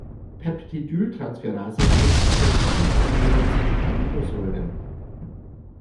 Peptidyltransferase knüpft Peptidbindungen zwischen Aminosäuren.